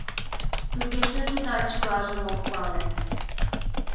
Тугеже тудат чылажым ок пале.